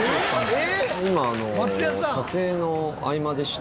今あの撮影の合間でして。